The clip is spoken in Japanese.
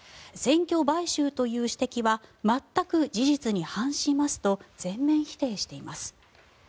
選挙買収という指摘は全く事実に反しますと全面否定しています。